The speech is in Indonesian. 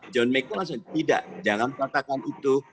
john mcko langsung tidak jangan katakan itu